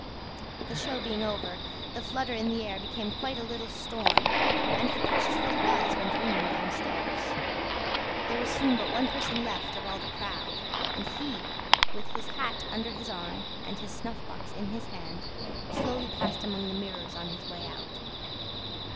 The show being over, the flutter in the air became quite a little storm, and the precious little bells went ringing downstairs. There was soon but one person left of all the crowd, and he, with his hat under his arm and his snuff box in his hand, slowly passed among the mirrors on his way out.